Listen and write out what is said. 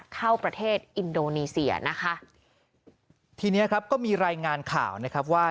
เข้าประเทศอินโดนีเซียนะคะทีเนี้ยครับก็มีรายงานข่าวนะครับว่า